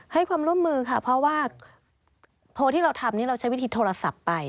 ให้ความร่วมมือค่ะเพราะว่าโพลที่เราทำนี่เราใช้วิธีโทรศัพท์ไป